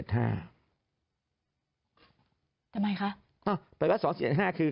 ทำไมคะปฏิวัติ๒๔๗๕คือ